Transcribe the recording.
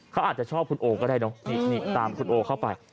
เขาอาจจะชอบคุณโอก็ได้เนอะนี่ตามคุณโอเข้าไป